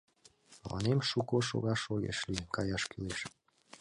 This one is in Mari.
Мыланем шуко шогаш огеш лий, каяш кӱлеш.